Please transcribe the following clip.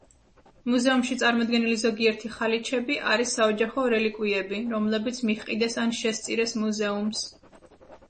მუზეუმში წარმოდგენილი ზოგიერთი ხალიჩები არის საოჯახო რელიკვიები, რომლებიც მიჰყიდეს ან შესწირეს მუზეუმს.